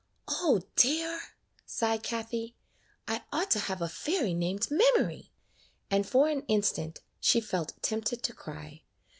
''O dear!" sighed Kathie, 'T ought to have a fairy named Memory;" and for an instant she felt tempted to cry.